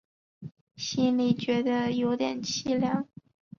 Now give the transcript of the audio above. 心里觉得有点凄凉